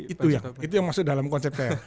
itu ya itu yang masuk dalam konsep saya